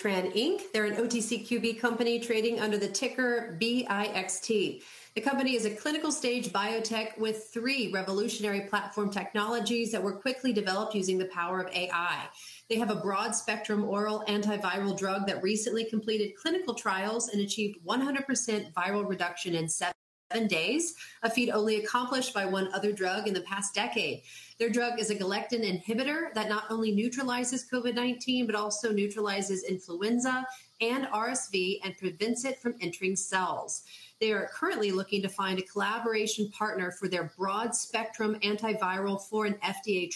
BioXyTran. They're an OTCQB company trading under the ticker BIXT. The company is a clinical-stage biotech with three revolutionary platform technologies that were quickly developed using the power of AI. They have a broad-spectrum oral antiviral drug that recently completed clinical trials and achieved 100% viral reduction in seven days, a feat only accomplished by one other drug in the past decade. Their drug is a galectin inhibitor that not only neutralizes COVID-19 but also neutralizes influenza and RSV and prevents it from entering cells. They are currently looking to find a collaboration partner for their broad-spectrum antiviral for an FDA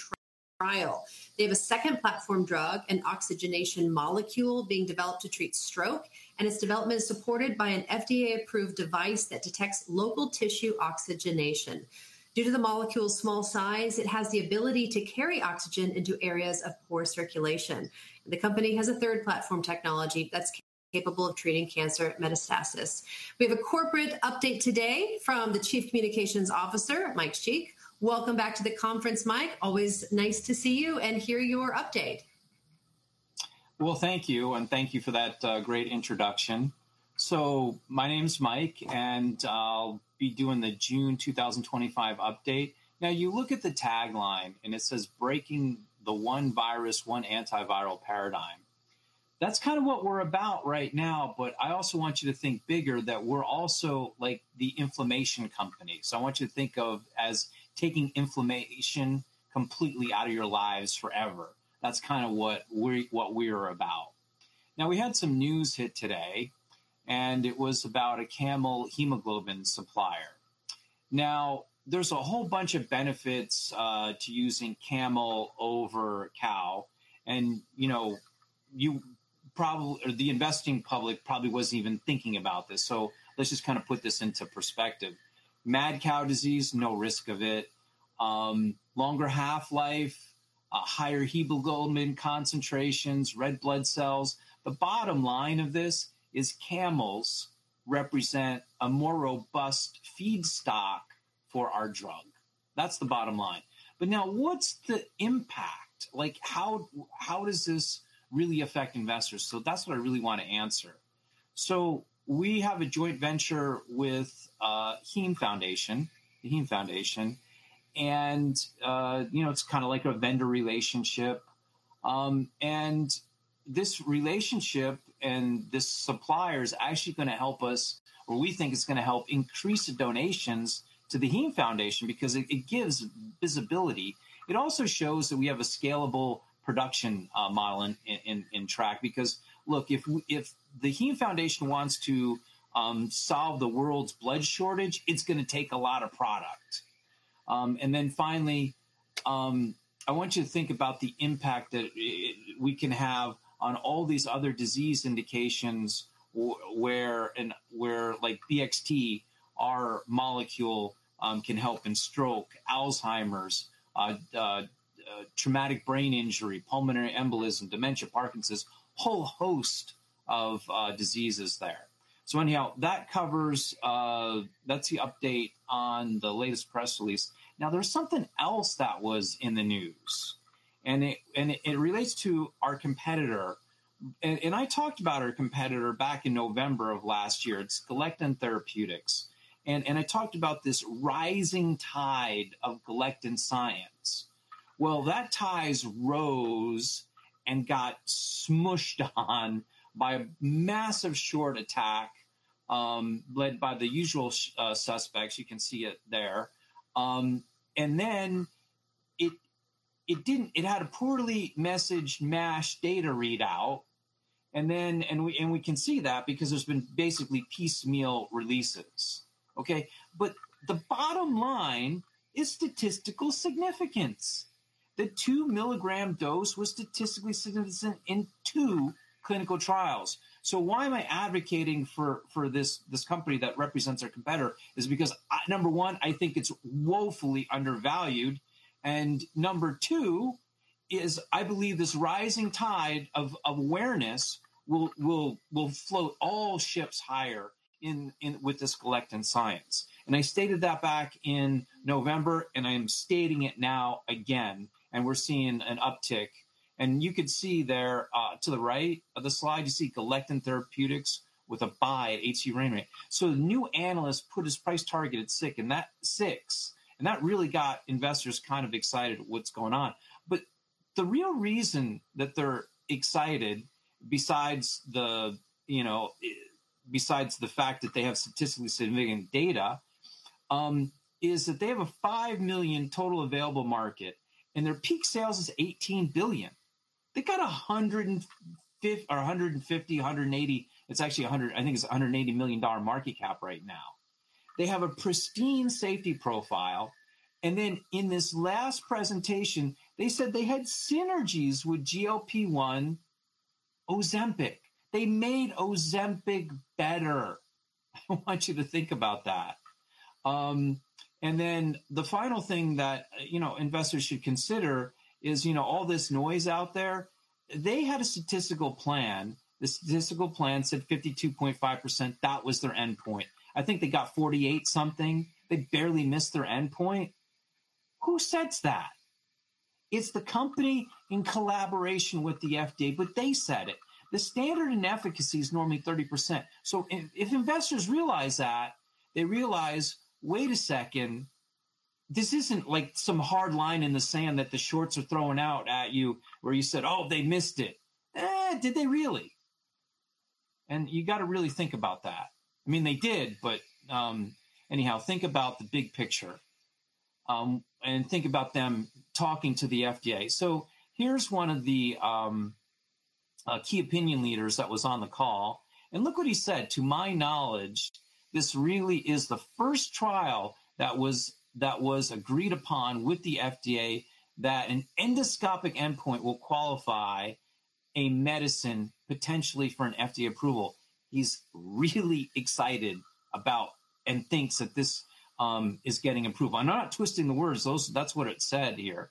trial. They have a second platform drug, an oxygenation molecule being developed to treat stroke, and its development is supported by an FDA-approved device that detects local tissue oxygenation. Due to the molecule's small size, it has the ability to carry oxygen into areas of poor circulation. The company has a third platform technology that's capable of treating cancer metastasis. We have a corporate update today from the Chief Communications Officer, Mike Sheikh. Welcome back to the conference, Mike. Always nice to see you and hear your update. Thank you, and thank you for that great introduction. My name's Mike, and I'll be doing the June 2025 update. Now, you look at the tagline, and it says, "Breaking the one virus, one antiviral paradigm." That's kind of what we're about right now, but I also want you to think bigger that we're also like the inflammation company. I want you to think of it as taking inflammation completely out of your lives forever. That's kind of what we're about. We had some news hit today, and it was about a camel hemoglobin supplier. There's a whole bunch of benefits to using camel over cow, and you know, the investing public probably wasn't even thinking about this. Let's just kind of put this into perspective. Mad cow disease, no risk of it, longer half-life, higher hemoglobin concentrations, red blood cells. The bottom line of this is camels represent a more robust feedstock for our drug. That's the bottom line. Now, what's the impact? Like, how does this really affect investors? That's what I really want to answer. We have a joint venture with the Heme Foundation, and you know, it's kind of like a vendor relationship. This relationship and this supplier is actually going to help us, or we think it's going to help increase the donations to the Heme Foundation because it gives visibility. It also shows that we have a scalable production model in track because, look, if the Heme Foundation wants to solve the world's blood shortage, it's going to take a lot of product. And then finally, I want you to think about the impact that we can have on all these other disease indications where, like BXT, our molecule can help in stroke, Alzheimer's, traumatic brain injury, pulmonary embolism, dementia, Parkinson's, a whole host of diseases there. Anyhow, that covers that's the update on the latest press release. Now, there's something else that was in the news, and it relates to our competitor. I talked about our competitor back in November of last year. It's Galectin Therapeutics. I talked about this rising tide of galectin science. That tide rose and got smushed on by a massive short attack led by the usual suspects. You can see it there. It had a poorly messaged mash data readout, and we can see that because there's been basically piecemeal releases. Okay? The bottom line is statistical significance. The two-milligram dose was statistically significant in two clinical trials. So why am I advocating for this company that represents our competitor? It's because, number one, I think it's woefully undervalued, and number two is I believe this rising tide of awareness will float all ships higher with this galectin science. And I stated that back in November, and I am stating it now again, and we're seeing an uptick. And you could see there to the right of the slide, you see Galectin Therapeutics with a buy at H.C. Wainwright. So the new analyst put his price target at $6, and that really got investors kind of excited about what's going on. But the real reason that they're excited, besides the fact that they have statistically significant data, is that they have a five million total available market, and their peak sales is $18 billion. They've got 150, 180, it's actually 100, I think it's $180 million market cap right now. They have a pristine safety profile. In this last presentation, they said they had synergies with GLP-1, Ozempic. They made Ozempic better. I want you to think about that. The final thing that, you know, investors should consider is, you know, all this noise out there. They had a statistical plan. The statistical plan said 52.5%. That was their endpoint. I think they got 48 something. They barely missed their endpoint. Who sets that? It's the company in collaboration with the FDA, but they set it. The standard inefficacy is normally 30%. If investors realize that, they realize, wait a second, this isn't like some hard line in the sand that the shorts are throwing out at you where you said, oh, they missed it. Did they really? You got to really think about that. I mean, they did, but anyhow, think about the big picture and think about them talking to the FDA. Here's one of the key opinion leaders that was on the call, and look what he said. To my knowledge, this really is the first trial that was agreed upon with the FDA that an endoscopic endpoint will qualify a medicine potentially for an FDA approval. He's really excited about and thinks that this is getting approved. I'm not twisting the words. That's what it said here.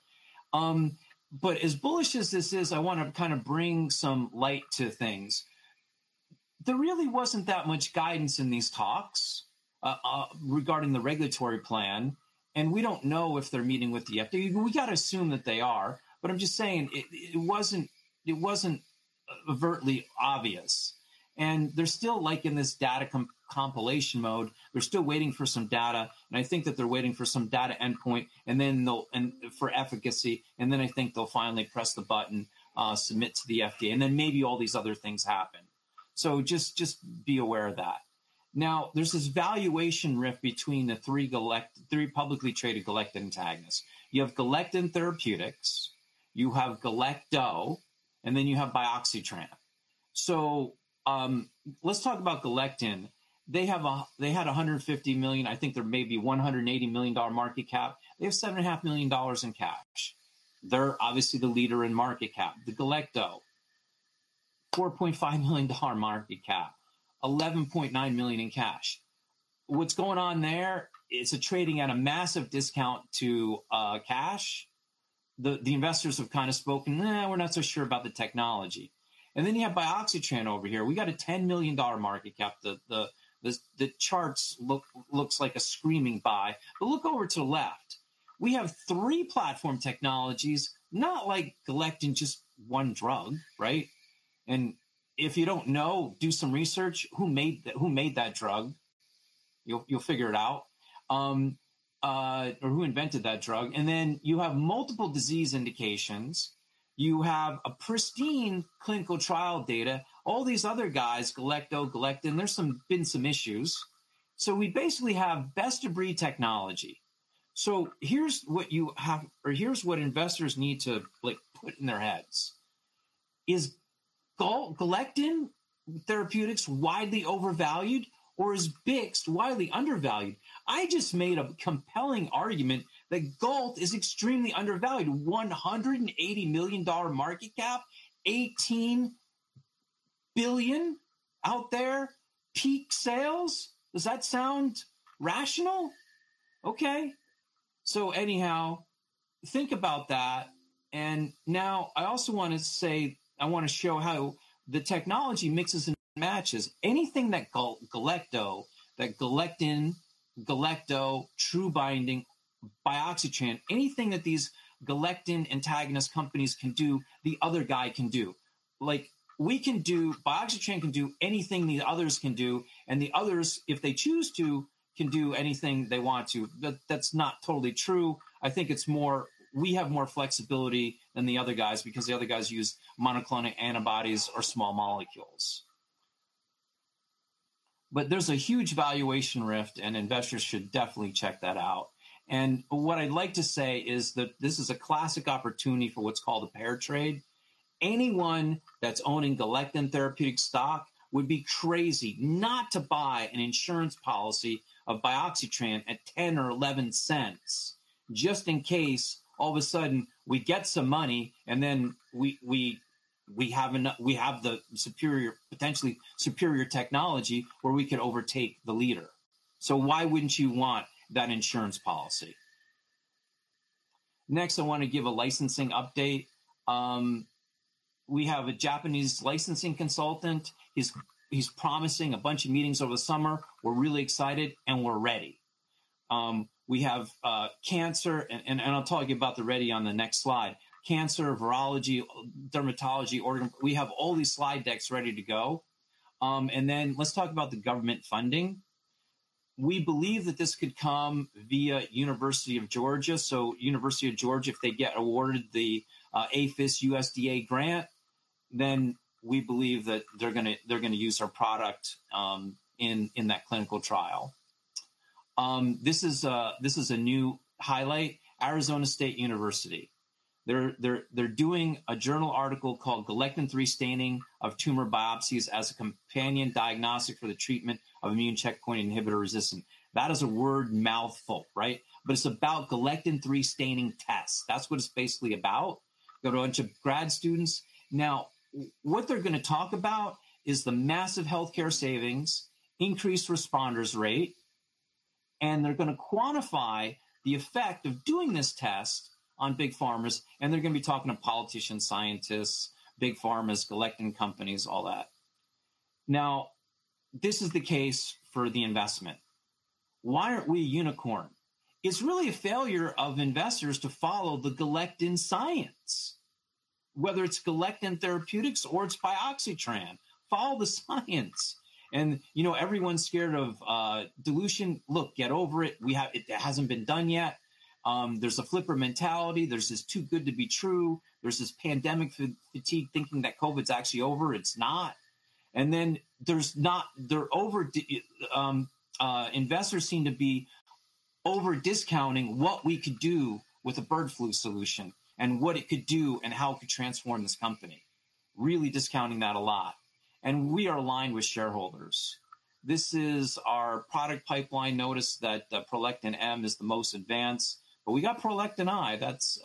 As bullish as this is, I want to kind of bring some light to things. There really wasn't that much guidance in these talks regarding the regulatory plan, and we don't know if they're meeting with the FDA. We got to assume that they are, but I'm just saying it wasn't overtly obvious. They're still like in this data compilation mode. They're still waiting for some data, and I think that they're waiting for some data endpoint and then for efficacy, and then I think they'll finally press the button, submit to the FDA, and then maybe all these other things happen. Just be aware of that. Now, there's this valuation rift between the three publicly traded galectin antagonists. You have Galectin Therapeutics, you have Galecto, and then you have BioXyTran. Let's talk about Galectin. They had $150 million, I think there may be $180 million market cap. They have $7.5 million in cash. They're obviously the leader in market cap. Galecto, $4.5 million market cap, $11.9 million in cash. What's going on there? It's trading at a massive discount to cash. The investors have kind of spoken, we're not so sure about the technology. And then you have BioXyTran over here. We got a $10 million market cap. The charts look like a screaming buy. But look over to the left. We have three platform technologies, not like Galectin, just one drug, right? And if you don't know, do some research. Who made that drug? You'll figure it out. Or who invented that drug? And then you have multiple disease indications. You have pristine clinical trial data. All these other guys, Galecto, Galectin, there's been some issues. So we basically have best of breed technology. So here's what you have, or here's what investors need to put in their heads. Is Galectin Therapeutics widely overvalued, or is BIXT widely undervalued? I just made a compelling argument that GALT is extremely undervalued. $180 million market cap, $18 billion out there, peak sales. Does that sound rational? Okay. Anyhow, think about that. I also want to say, I want to show how the technology mixes and matches. Anything that Galecto, that Galectin, Galecto, TrueBinding, BioXyTran, anything that these galectin antagonist companies can do, the other guy can do. Like, we can do, BioXyTran can do anything the others can do, and the others, if they choose to, can do anything they want to. That's not totally true. I think it's more, we have more flexibility than the other guys because the other guys use monoclonal antibodies or small molecules. There is a huge valuation rift, and investors should definitely check that out. What I'd like to say is that this is a classic opportunity for what's called a bear trade. Anyone that's owning Galectin Therapeutics stock would be crazy not to buy an insurance policy of BioXyTran at $0.10 or $0.11, just in case all of a sudden we get some money and then we have the potentially superior technology where we could overtake the leader. So why wouldn't you want that insurance policy? Next, I want to give a licensing update. We have a Japanese licensing consultant. He's promising a bunch of meetings over the summer. We're really excited, and we're ready. We have cancer, and I'll talk about the ready on the next slide. Cancer, virology, dermatology, organ, we have all these slide decks ready to go. And then let's talk about the government funding. We believe that this could come via University of Georgia. University of Georgia, if they get awarded the APHIS USDA grant, then we believe that they're going to use our product in that clinical trial. This is a new highlight. Arizona State University. They're doing a journal article called Galectin-3 Staining of Tumor Biopsies as a Companion Diagnostic for the Treatment of Immune Checkpoint Inhibitor Resistance. That is a word mouthful, right? But it's about Galectin-3 Staining tests. That's what it's basically about. Got a bunch of grad students. Now, what they're going to talk about is the massive healthcare savings, increased responders rate, and they're going to quantify the effect of doing this test on big pharmas, and they're going to be talking to politicians, scientists, big pharmas, galectin companies, all that. Now, this is the case for the investment. Why aren't we a unicorn? It's really a failure of investors to follow the galectin science. Whether it's Galectin Therapeutics or it's BioXyTran, follow the science. You know, everyone's scared of dilution. Look, get over it. It hasn't been done yet. There's a flipper mentality. There's this too good to be true. There's this pandemic fatigue thinking that COVID's actually over. It's not. Investors seem to be over-discounting what we could do with a bird flu solution and what it could do and how it could transform this company. Really discounting that a lot. We are aligned with shareholders. This is our product pipeline. Notice that the ProLectin-M is the most advanced, but we got ProLectin-I. That's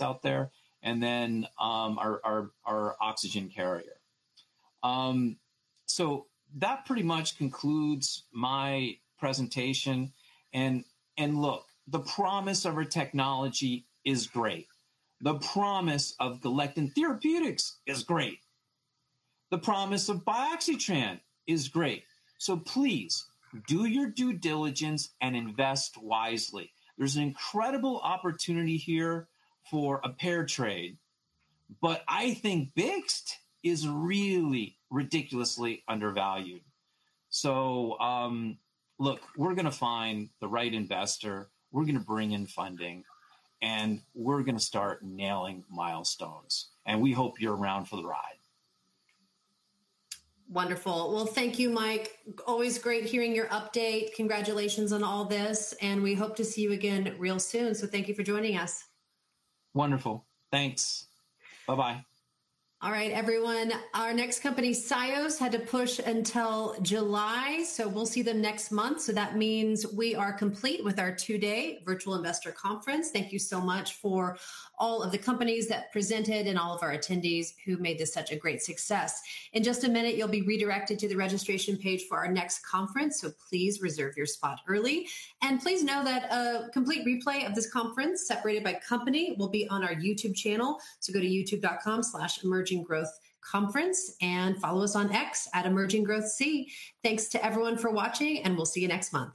out there. And then our oxygen carrier. That pretty much concludes my presentation. Look, the promise of our technology is great. The promise of Galectin Therapeutics is great. The promise of BioXyTran is great. Please do your due diligence and invest wisely. There's an incredible opportunity here for a bear trade, but I think BIXT is really ridiculously undervalued. Look, we're going to find the right investor. We're going to bring in funding, and we're going to start nailing milestones. We hope you're around for the ride. Wonderful. Thank you, Mike. Always great hearing your update. Congratulations on all this, and we hope to see you again real soon. Thank you for joining us. Wonderful. Thanks. Bye-bye. All right, everyone. Our next company, SIOS, had to push until July, so we'll see them next month. That means we are complete with our two-day Virtual Investor Conference. Thank you so much for all of the companies that presented and all of our attendees who made this such a great success. In just a minute, you'll be redirected to the registration page for our next conference, so please reserve your spot early. Please know that a complete replay of this conference, separated by company, will be on our YouTube channel. Go to youtube.com/emerginggrowthconference and follow us on X at emerginggrowthc. Thanks to everyone for watching, and we'll see you next month.